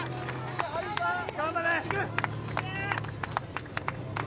・頑張れ！